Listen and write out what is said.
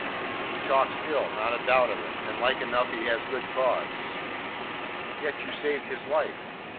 "He talks ill, not a doubt of it, and like enough he has good cause." "Yet you saved his life."